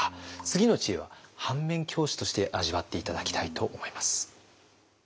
次の知恵は反面教師として味わって頂きたいと思います。